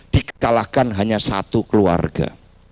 dikalahkan hanya satu keluarga